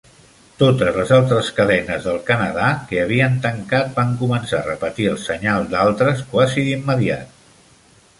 Totes les altres cadenes del Canadà que havien tancat van començar a repetir el senyal d'altres quasi d'immediat.